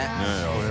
これ。